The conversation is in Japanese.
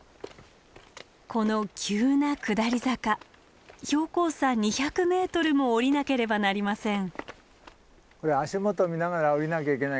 この急な下り坂標高差２００ｍも下りなければなりません。